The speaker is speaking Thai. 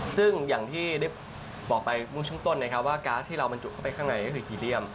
ซึ่งอย่างที่ได้บอกไปเมื่อช่วงต้นนะครับว่าก๊าซที่เราบรรจุเข้าไปข้างในก็คือพีเรียม